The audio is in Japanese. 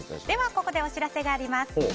ではここでお知らせがあります。